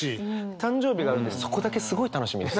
誕生日があるんでそこだけすごい楽しみです。